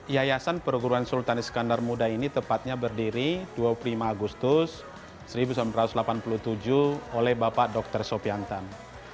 yayasan perguruan sultan iskandar muda ini tepatnya berdiri dua puluh lima agustus seribu sembilan ratus delapan puluh tujuh oleh bapak dr sopiantan